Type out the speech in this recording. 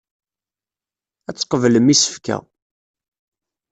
Ad tqeblem isefka.